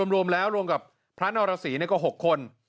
รวมแล้วรวมกับพระนรสีก็๖คน